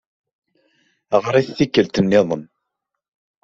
Ɣer-it tikkelt niḍen.